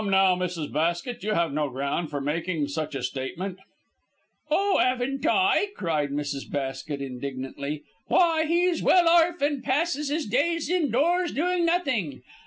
"Come now, Mrs. Basket, you have no ground for making such a statement." "Oh, 'aven't I?" cried Mrs. Basket, indignantly. "Why, he's well orf and passes his days indoors doing nothing.